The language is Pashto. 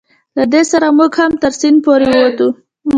له دې سره موږ هم تر سیند پورې وتو.